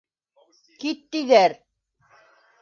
Кит тиҙәр!